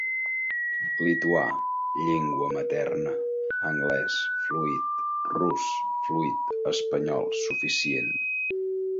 Lituà: llengua materna; anglès: fluït; rus: fluït; espanyol: suficient.